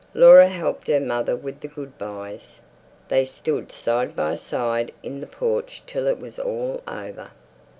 Laura helped her mother with the good byes. They stood side by side in the porch till it was all over.